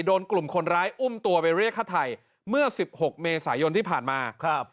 โดนกลุ่มคนร้ายอุ้มตัวไปเรียกฆ่าไทยเมื่อสิบหกเมษายนที่ผ่านมาครับ